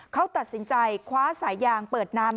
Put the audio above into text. เขาตัดสินใจคว้าสายยางเปิดน้ำ